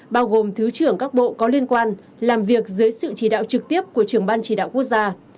bao gồm thứ trưởng các bộ có liên quan làm việc dưới sự chỉ đạo trực tiếp của trưởng ban chỉ đạo quốc gia